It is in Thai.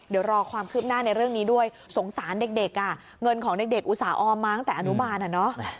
เดี๋ยวรอความคืบหน้าในเรื่องนี้ด้วยสงสารเด็กอ่ะเงินของเด็กอุตส่าหออมมาตั้งแต่อนุบาลอ่ะเนอะ